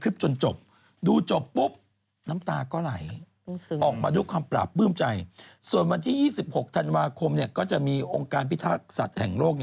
ส่วนวันที่๒๖ธันวาคมก็จะมีองค์การพิทักษ์สัตว์แห่งโลก